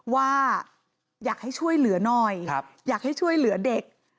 ว่าอยากให้ช่วยเหลือหน่อยอยากให้ช่วยเหลือเด็ก